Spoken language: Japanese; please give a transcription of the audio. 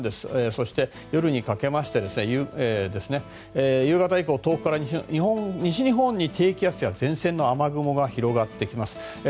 そして、夜にかけて夕方以降、東北から西日本にかけ低気圧や前線の雨雲が広がってきます。